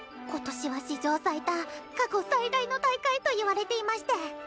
今年は史上最多過去最大の大会と言われていまして。